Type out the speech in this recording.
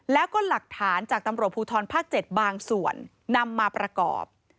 แล้วก็หลักฐานจากตำรวจภูทรภาค๗บางส่วนนำมาประกอบ